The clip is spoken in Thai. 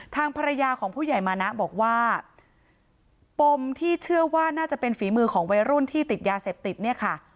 ทางภรรยาของผู้ใหญ่มานะบอกว่าปมที่เชื่อว่าน่าจะเป็นฝีมือของวัยรุ่นที่ติดยาเสพติดเนี่ยค่ะ